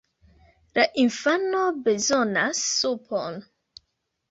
La infano bezonas supon!